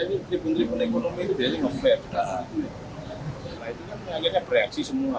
nah itu kan akhirnya bereaksi semua